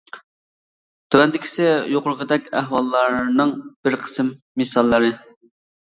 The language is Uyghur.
تۆۋەندىكىسى يۇقىرىقىدەك ئەھۋاللارنىڭ بىر قىسىم مىساللىرى.